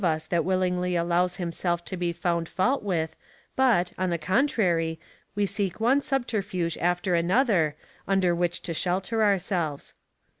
341 that willingly allows himself to be found fault with, but, on the contrary, we seek one subterfuge after another, under which to shelter ourselves.